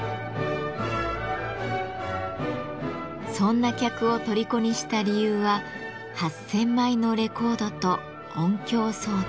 そんな客をとりこにした理由は８，０００枚のレコードと音響装置。